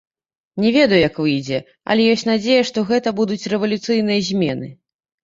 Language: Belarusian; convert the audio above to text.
Не ведаю, як выйдзе, але ёсць надзея, што гэта будуць рэвалюцыйныя змены.